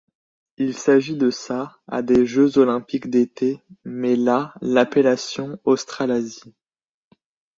Il s'agit de sa à des Jeux olympiques d'été mais la l'appellation Australasie.